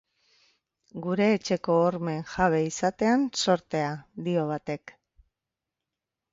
Gure etxeko hormen jabe izatean zortea, dio batek.